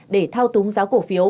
để thao túng giá cổ phiếu